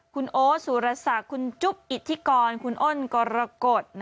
คุณโอ๊สุรศักดิ์คุณจุ๊บอิทธิกรคุณอ้นกรกฎ